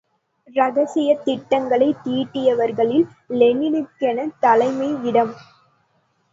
இரகசியத் திட்டங்களைத் தீட்டியவர்களில் லெனினுக்கே தலைமை இடம்.